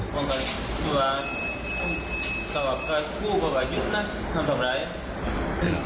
ต้องการส่วนภาพการคู่กับว่ายุทธ์นะทำทำร้าย